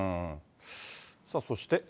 さあ、そして。